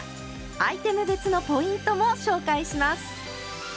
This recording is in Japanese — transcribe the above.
アイテム別のポイントも紹介します！